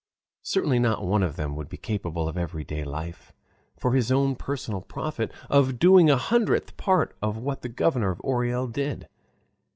Certainly not one of them would be capable in everyday life, for his own personal profit, of doing a hundredth part of what the Governor of Orel did.